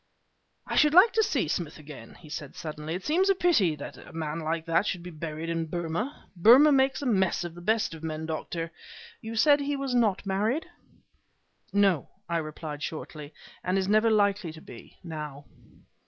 "I should like to see Smith again," he said suddenly; "it seems a pity that a man like that should be buried in Burma. Burma makes a mess of the best of men, Doctor. You said he was not married?" "No," I replied shortly, "and is never likely to be, now."